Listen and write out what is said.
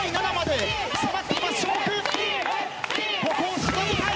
ここをしのぎたい！